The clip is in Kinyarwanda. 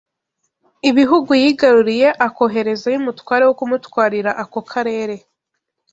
ibihugu yigaruriye akoherezayo Umutware wo kumutwarira ako Karere